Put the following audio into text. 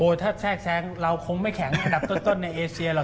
ถ้าแทรกแซงเราคงไม่แข็งอันดับต้นในเอเซียหรอก